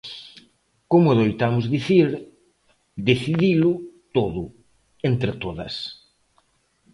Como adoitamos dicir: decidilo todo, entre todas.